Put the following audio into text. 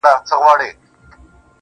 هغه چي هيڅو نه لري په دې وطن کي